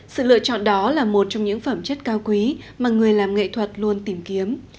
sự lựa chọn đó là một trong những phẩm chất cao quý mà người làm nghệ thuật luôn tìm kiếm